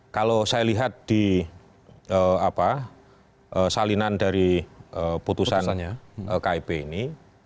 kalau saya lihat di salinan dari putusan kip ini